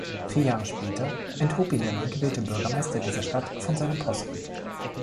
Vier Jahre später enthob ihn der neugewählte Bürgermeister dieser Stadt von seinem Posten.